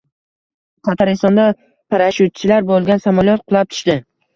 Tataristonda parashyutchilar bo‘lgan samolyot qulab tushdi